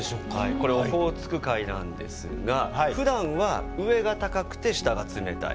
これオホーツク海なんですがふだんは上が高くて下が冷たい。